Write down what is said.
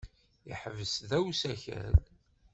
Iḥebbes da usakal?